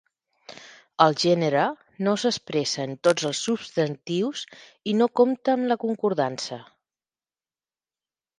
El gènere no s'expressa en tots els substantius i no compta en la concordança.